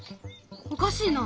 おかしいな。